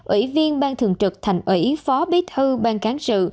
ủy viên bang thường trực thành ủy phó bí thư bang cán sự